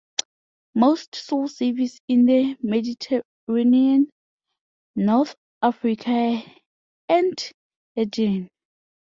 Most saw service in the Mediterranean, North Africa and Aegean.